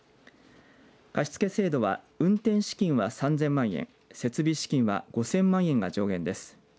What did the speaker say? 貸し付け制度は運転資金は３０００万円設備資金は５０００万円が上限です。